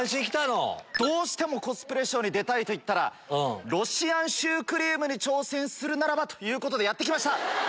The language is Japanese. どうしてもコスプレショーに出たいと言ったら「ロシアンシュークリームに挑戦するなら」ということでやって来ました。